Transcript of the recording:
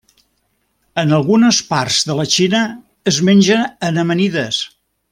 En algunes parts de la Xina es menja en amanides.